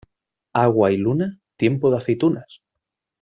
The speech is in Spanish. Agua y luna, tiempo de aceitunas.